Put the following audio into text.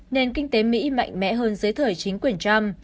nền kinh tế mỹ mạnh mẽ hơn dưới thời chính quyền trump